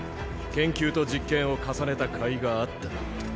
研究と実験を重ねた甲斐があった。